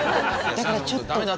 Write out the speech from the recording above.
だからちょっと。